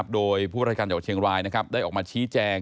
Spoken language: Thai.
โดยผู้ราชการจังหวัดเชียงรายได้ออกมาชี้แจง